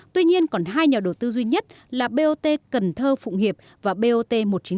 tuy nhiên còn hai nhà đầu tư duy nhất là bot cần thơ phụng hiệp và bot một trăm chín mươi